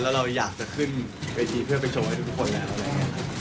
แล้วเราอยากจะขึ้นเวทีเพื่อไปโชว์ให้ทุกคนแล้วอะไรอย่างนี้ครับ